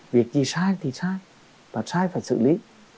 việc gì sai thì sai và sai phải xử lý